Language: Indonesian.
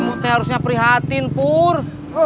kamu teh harusnya prihatin pur